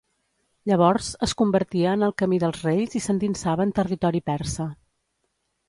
Llavors es convertia en el camí dels Reis i s'endinsava en territori persa.